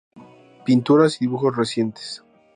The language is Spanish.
Pinturas y dibujos recientes".